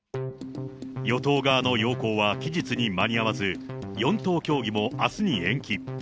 与党側の要綱は期日に間に合わず、４党協議もあすに延期。